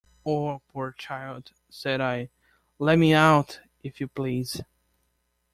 "Oh, poor child," said I; "let me out, if you please!"